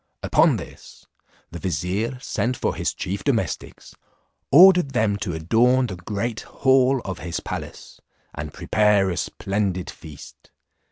Upon this the vizier sent for his chief domestics, ordered them to adorn the great hall of his palace, and prepare a splendid feast.